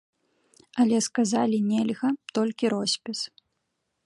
Але сказалі, нельга, толькі роспіс.